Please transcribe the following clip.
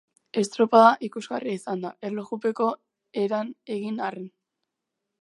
Estropada ikusgarria izan da, erlojupeko eran egin arren.